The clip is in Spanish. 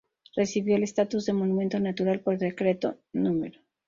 Recibió el estatus de monumento natural por decreto No.